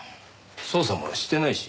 捜査もしてないし。